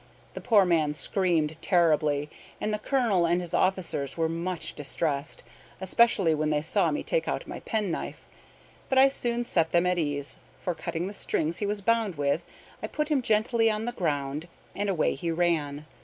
The poor man screamed terribly, and the colonel and his officers were much distressed, especially when they saw me take out my penknife. But I soon set them at ease, for, cutting the strings he was bound with, I put him gently on the ground, and away he ran.